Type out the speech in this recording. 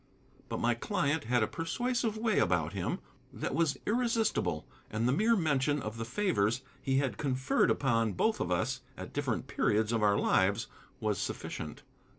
But my client had a persuasive way about him that was irresistible, and the mere mention of the favors he had conferred upon both of us at different periods of our lives was sufficient.